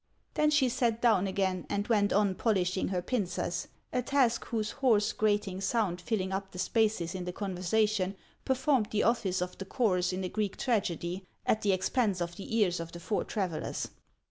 Then she sat down again, and went on polishing her pincers, — a task whose hoarse, grating sound, filling up the spaces in the conversation, performed the office of the chorus in a Greek tragedy, at the expense of the ears of the four travellers.